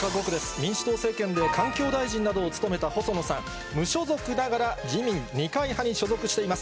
民主党政権で環境大臣などを務めた細野さん、無所属ながら自民、二階派に所属しています。